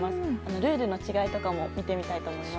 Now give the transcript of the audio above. ルールの違いとかも見てみたいと思います。